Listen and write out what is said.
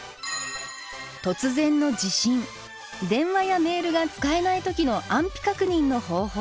突然の地震電話やメールが使えない時の安否確認の方法。